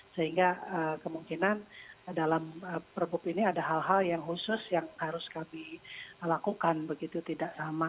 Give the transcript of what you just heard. sehingga kemungkinan dalam perbuk ini ada hal hal yang khusus yang harus kami lakukan begitu tidak sama